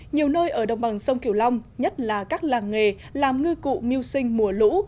nhiều nơi ở đồng bằng sông kiểu long nhất là các làng nghề làm ngư cụ miêu sinh mùa lũ